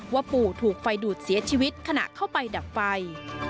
ว่าปู่ถูกไฟดูดเสียชีวิตขณะเข้าไปดับไฟ